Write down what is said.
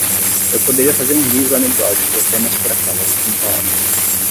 Eu poderia fazer um livro anedótico apenas por aquelas trinta horas.